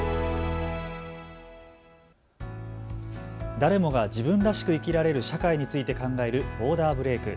誰もが自分らしく生きられる社会について考えるボーダーブレイク。